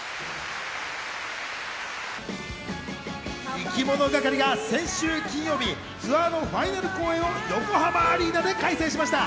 いきものがかりが先週金曜日、ツアーのファイナル公演を横浜アリーナで開催しました。